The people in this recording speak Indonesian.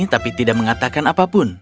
tapi tidak mengatakan apapun